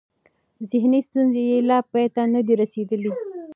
ذهني ستونزې یې لا پای ته نه دي رسېدلې.